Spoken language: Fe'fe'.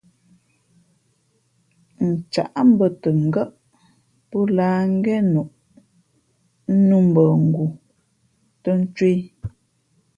Ncǎʼ mbᾱʼtα ngά́ʼ pí lǎh ngén noʼ nnū mbα nguh tα náh ncwē.